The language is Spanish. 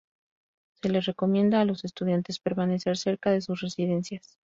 Se les recomienda a los estudiantes permanecer cerca de sus residencias.